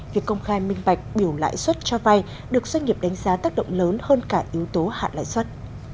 vì công khai minh bạch biểu lãi xuất cho vay được doanh nghiệp đánh giá tác động lớn hơn cả yếu tố hạ lãi xuất